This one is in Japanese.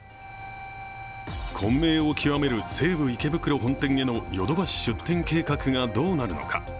混迷を極める西武池袋本店でのヨドバシ出店計画がどうなるのか。